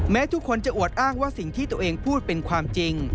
ทุกคนจะอวดอ้างว่าสิ่งที่ตัวเองพูดเป็นความจริง